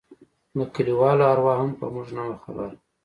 د كليوالو اروا هم په موږ نه وه خبره.